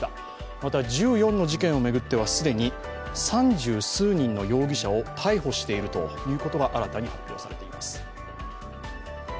また、１４の事件を巡っては、既に３０数人の容疑者を逮捕しているということが新たに発表されています。